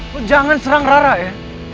kok jangan serang rara ya